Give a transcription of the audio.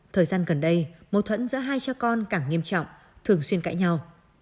thời gian gần đây mâu thuẫn giữa hai cha con càng nghiêm trọng thường xuyên cãi nhau